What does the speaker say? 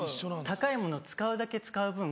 高いものを使うだけ使う分